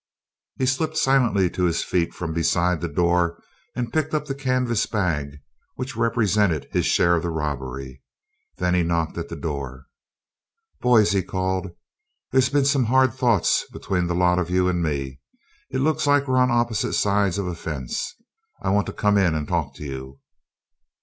He slipped silently to his feet from beside the door and picked up the canvas bag which represented his share of the robbery. Then he knocked at the door. "Boys," he called, "there's been some hard thoughts between the lot of you and me. It looks like we're on opposite sides of a fence. I want to come in and talk to you."